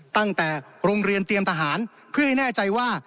ตั้งแต่โรงเรียนเตรียมทหารเพื่อให้แน่ใจว่า